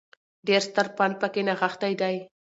ډېر ستر پند په کې نغښتی دی